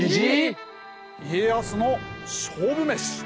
家康の勝負メシ。